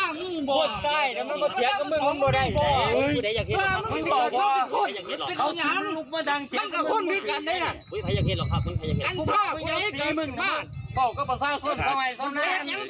วิสชาติก็ว่าไคว่า